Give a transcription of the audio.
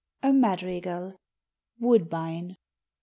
A Madrigal. WOODBINE.